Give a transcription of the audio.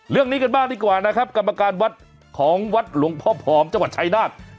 เรื่องนี้กันบ้างดีกว่านะครับกรรมการวัดของวัดหลวงพ่อผอมจังหวัดชายนาฏ